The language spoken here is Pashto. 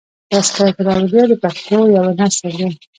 " تذکرة الاولیاء" د پښتو یو نثر دﺉ.